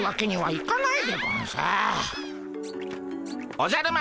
おじゃる丸